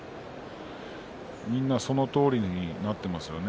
みんな、そのとおりになっていますよね。